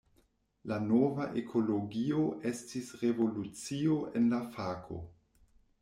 La nova ekologio estis revolucio en la fako.